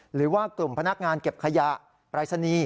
หรือว่ากลุ่มพนักงานเก็บขยะปรายศนีย์